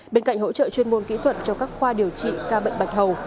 bên cạnh hỗ trợ chuyên môn kỹ thuật cho các khoa điều trị ca bệnh bạch hầu